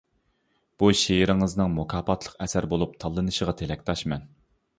بۇ شېئىرىڭىزنىڭ مۇكاپاتلىق ئەسەر بولۇپ تاللىنىشىغا تىلەكداشمەن.